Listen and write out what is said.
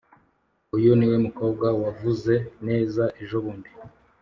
] uyu niwe mukobwa wavuze neza ejobundi?